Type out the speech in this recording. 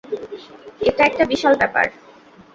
এটা একটা বিশাল ব্যাপার।